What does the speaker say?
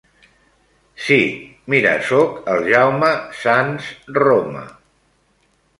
Sí mira soc el Jaume Sants Roma.